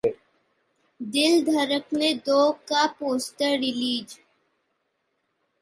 'दिल धड़कने दो' का poster release